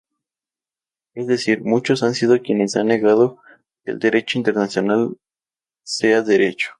Es decir, muchos han sido quienes han negado que el derecho internacional sea derecho.